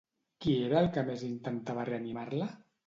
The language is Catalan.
Qui era el que més intentava reanimar-la?